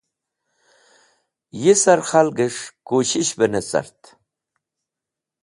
Yisar khalgẽsh kushish bẽ ne cart